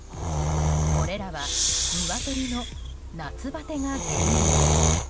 これらはニワトリの夏バテが原因。